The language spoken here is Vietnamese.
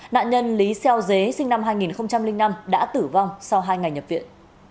nạn nhân lý xeo dế sinh năm hai nghìn năm đã tử vong sau hai ngày nhập viện